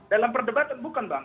dalam perdebatan bukan bang